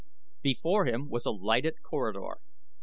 Before him was a lighted corridor.